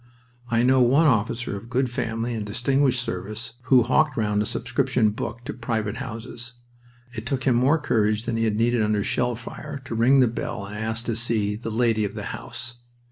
I know one officer of good family and distinguished service who hawked round a subscription book to private houses. It took him more courage than he had needed under shell fire to ring the bell and ask to see "the lady of the house."